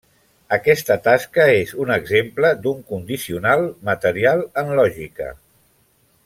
Aquesta tasca és un exemple d'un condicional material en lògica.